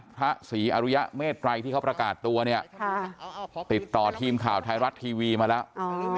พระศรีอรุยะเมตรัยที่เขาประกาศตัวเนี่ยติดต่อทีมข่าวไทยรัฐทีวีมาแล้ว